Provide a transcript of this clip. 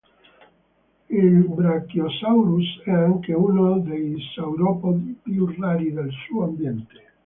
Il "Brachiosaurus" è anche uno dei sauropodi più rari del suo ambiente.